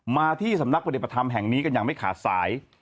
มาที่สำนักประเด็นประธำแห่งนี้กันยังไม่ขาดสาย